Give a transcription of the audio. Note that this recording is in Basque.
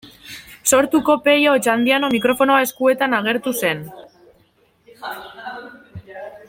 Sortuko Pello Otxandiano mikrofonoa eskuetan agertu zen.